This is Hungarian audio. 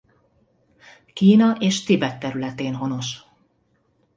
Kína és Tibet területén honos.